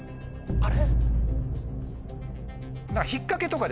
あれ？